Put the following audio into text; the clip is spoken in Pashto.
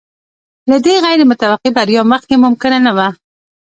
له دغې غیر متوقع بریا مخکې ممکنه نه وه.